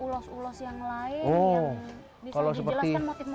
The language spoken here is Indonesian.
ulas yang lain oh kalau seperti